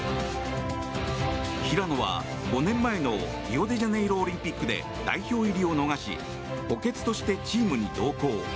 平野は５年前のリオデジャネイロオリンピックで代表入りを逃し補欠としてチームに同行。